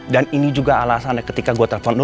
dan ini juga alasan ketika gue telpon lo